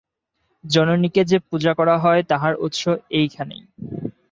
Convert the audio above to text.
জননীকে যে পূজা করা হয়, তাহার উৎস এইখানেই।